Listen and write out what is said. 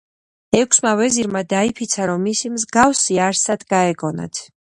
ექვსმა ვეზირმა დაიფიცა რომ მისი მსგავსი არსად გაეგონათ.